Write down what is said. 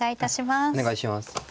お願いします。